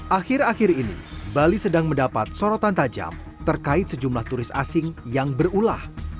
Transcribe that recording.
akhir akhir ini bali sedang mendapat sorotan tajam terkait sejumlah turis asing yang berulah